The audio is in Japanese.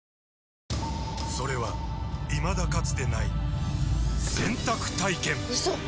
それはいまだかつてない洗濯体験‼うそっ！